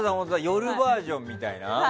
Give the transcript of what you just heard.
夜バージョンみたいな。